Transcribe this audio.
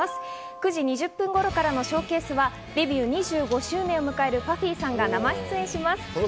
９時２０分頃からのＳＨＯＷＣＡＳＥはデビュー２５周年を迎えるＰＵＦＦＹさんが生出演します。